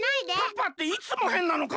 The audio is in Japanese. パパっていつもへんなのか？